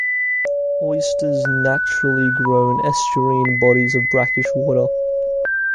Oysters naturally grow in estuarine bodies of brackish water.